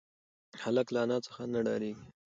هلک له انا څخه نه ډارېږي.